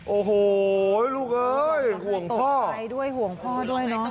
โอ้โหลูกเอ้ยห่วงพ่อไปด้วยห่วงพ่อด้วยเนอะ